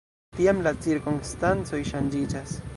Tiam la cirkonstancoj ŝanĝiĝas.